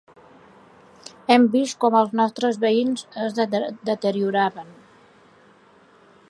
Hem vist com els nostres veïns es deterioraven.